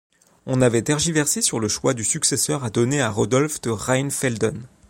On avait tergiversé sur le choix du successeur à donner à Rodolphe de Rheinfelden.